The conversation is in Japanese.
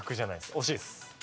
惜しいです。